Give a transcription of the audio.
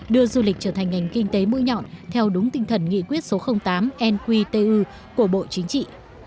đưa du lịch trở thành ngành kinh tế mũi nhọn theo đúng tinh thần nghị quyết số tám nqtu của bộ chính trị